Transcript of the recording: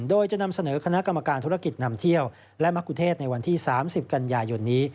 โดยจะนำเสนอคณะกรรมการธุรกิจนำเที่ยวและมะกุเทศในวันที่๓๐กันยายนนี้